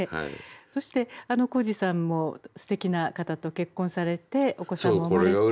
そして宏司さんもすてきな方と結婚されてお子さんも生まれて。